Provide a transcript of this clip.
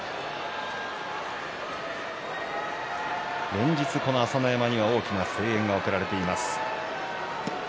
連日、朝乃山には大きな声援が送られています。